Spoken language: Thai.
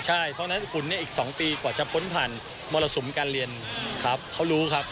ใช่เพราะฉะนั้นคุณเนี่ยอีก๒ปีกว่าจะพ้นผ่านมรสุมการเรียนครับเขารู้ครับ